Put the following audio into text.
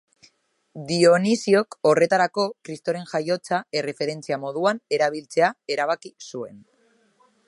Dionisiok horretarako Kristoren jaiotza erreferentzia moduan erabiltzea erabaki zuen.